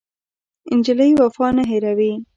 نجلۍ وفا نه هېروي.